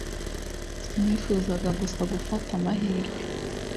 Sinifuzaga gusa gufata amahirwe